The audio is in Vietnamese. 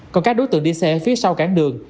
còn các đối tượng đi xe phía sau cảng đường